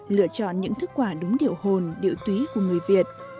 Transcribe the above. lựa chọn những thức quả đúng điệu hồn điệu túy của người việt